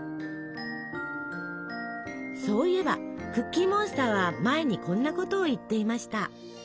そういえばクッキーモンスターは前にこんなことを言っていました。